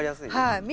はい。